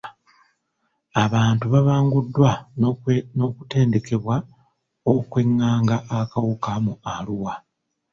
Abantu babanguddwa n'okutendekebwa okwenganga akawuka mu Arua.